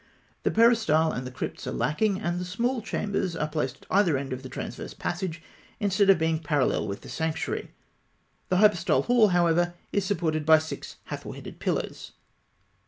The peristyle and the crypts are lacking (fig. 91), and the small chambers are placed at either end of the transverse passage, instead of being parallel with the sanctuary. The hypostyle hall, however, is supported by six Hathor headed pillars.